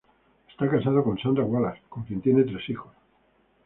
Está casado con Sandra Wallace, con quien tiene tres hijos.